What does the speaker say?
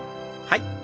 はい。